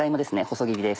細切りです。